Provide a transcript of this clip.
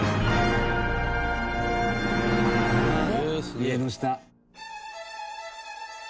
家の下。